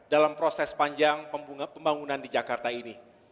dalam proses panjang pembangunan di jakarta ini